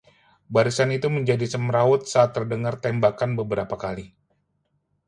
barisan itu menjadi semrawut saat terdengar tembakan beberapa kali